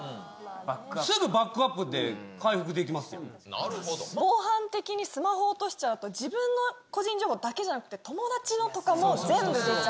すぐバックアップで回復でき防犯的にスマホ落としちゃうと、自分の個人情報だけじゃなくて、友達のとかも全部出ちゃう。